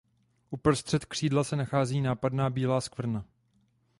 Uprostřed křídla se nachází nápadná bílá skvrna.